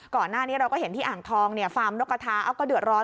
ก่อนหน้านี้เราก็เห็นที่อ่างทองฟาร์มนกกระทาก็เดือดร้อน